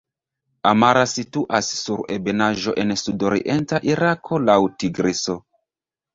Amara situas sur ebenaĵo en sudorienta Irako laŭ Tigriso.